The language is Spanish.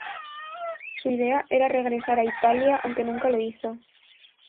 Su idea era regresar a Italia aunque nunca lo hizo.